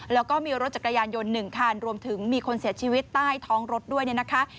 แล้วก็มีรถจักรยานยนต์๑คันรวมถึงมีคนเสียชีวิตใต้ท้องรถด้วยเนี่ยนะคะ